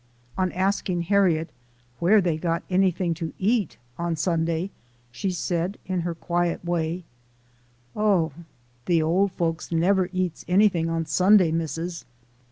On asking Harriet where they got anything to eat on Sunday, she said, in her quiet way, " Oh ! de ole folks nebber eats anyting on Sunday , Missis